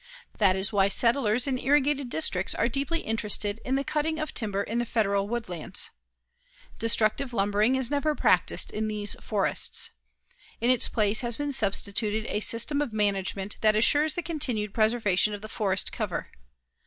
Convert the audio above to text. That is why settlers in irrigated districts are deeply interested in the cutting of timber in the Federal woodlands. Destructive lumbering is never practiced in these forests. In its place has been substituted a system of management that assures the continued preservation of the forest cover.